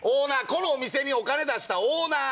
このお店にお金出したオーナー。